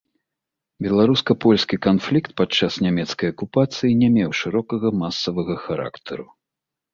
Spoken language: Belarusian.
Беларуска-польскі канфлікт падчас нямецкай акупацыі не меў шырокага масавага характару.